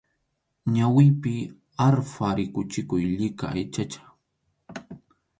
Ñawipi arpha rikuchikuq llika aychacha.